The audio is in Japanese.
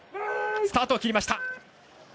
スタートを切りました。